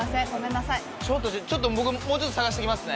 僕もうちょっと探してきますね。